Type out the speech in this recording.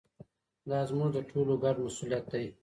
دا زموږ د ټولو ګډ مسووليت دی.